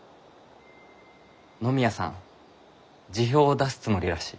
野宮さん辞表を出すつもりらしい。